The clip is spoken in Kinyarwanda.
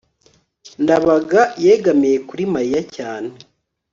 ndabaga yegamiye kuri mariya cyane